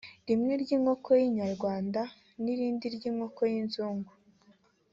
rimwe ry’inkoko y’inyarwanda n’irindi ry’inkoko y’inzugu